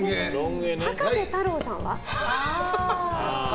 葉加瀬太郎さんは？